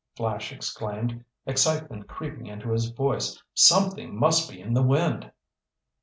Flash exclaimed, excitement creeping into his voice. "Something must be in the wind!"